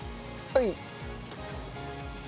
はい。